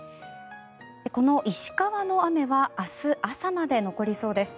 この石川の雨は明日朝まで残りそうです。